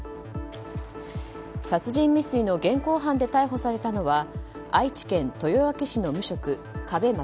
殺人未遂の現行犯で逮捕されたのは愛知県豊明市の無職・加部勝